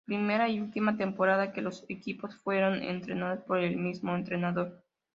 Primera y última temporada que los equipos fueron entrenados por el mismo entrenador.